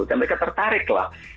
dan mereka tertarik lah